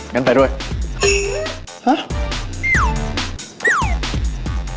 งั้นไปด้วยฮะ